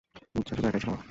উযযা শুধু একাই ছিল না।